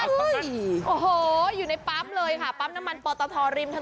โอ้โหอยู่ในปั๊มเลยค่ะปั๊มน้ำมันปอตทริมถนน